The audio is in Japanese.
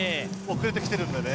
遅れてきているんでね。